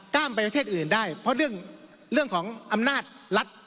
ไปประเทศอื่นได้เพราะเรื่องของอำนาจรัฐ